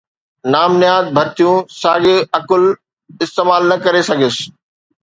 نام نهاد ڀرتيون، ساڳي عقل استعمال نه ڪري سگهيس.